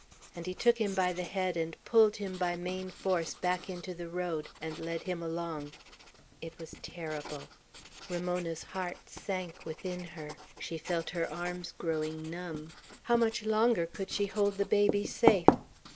and he took him by the head, and pulled him by main force back into the road, and led him along. It was terrible. Ramona's heart sank within her. She felt her arms growing numb; how much longer could she hold the baby safe?